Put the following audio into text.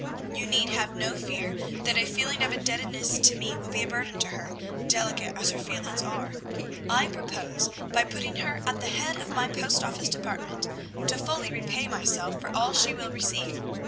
You need have no fear that a feeling of indebtedness to me will be a burden to her, delicate as her feelings are. I propose, by putting her at the head of my post office department, to fully repay myself for all she will receive.